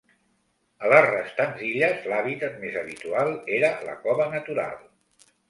A les restants illes, l'hàbitat més habitual era la cova natural.